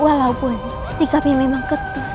walaupun sikapnya memang ketus